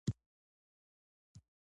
وضعیت په بې رحمۍ تحمیل شوی.